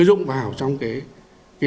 trong cái đấu tranh phòng chống tội phạm